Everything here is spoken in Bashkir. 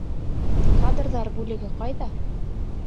Кадрҙар бүлеге ҡайҙа?